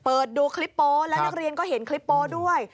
เปิดดูคลิปโป๊แล้วนักเรียนก็เห็นคลิปโป๊ด้วย